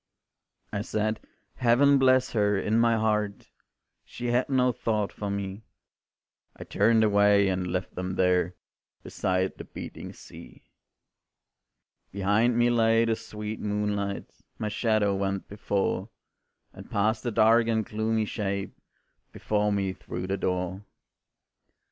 I said, Heaven bless her, in my heart, She had no thought for me; I turned away and left them there Beside the beating sea. Behind me lay the sweet moonlight, My shadow went before, And passed a dark and gloomy shape Before me through the door.